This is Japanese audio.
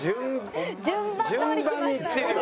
順番にいってるよ。